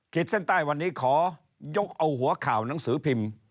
เส้นใต้วันนี้ขอยกเอาหัวข่าวหนังสือพิมพ์